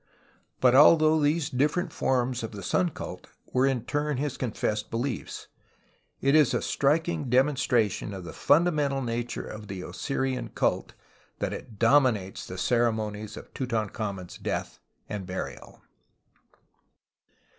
But although these different forms of the sun cult were in tm n liis con fessed beliefs, it is a striking demonstration of the fundamental nature of the Osirian cult that it dominates the ceremonies of Tutan khamen's death and burial.